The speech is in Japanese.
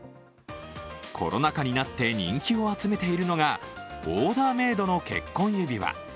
コロナ禍になって人気を集めているのがオーダーメイドの結婚指輪。